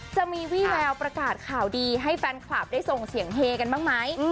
จะมีวี่แววประกาศข่าวดีให้แฟนคลับได้ส่งเสียงเฮกันบ้างไหม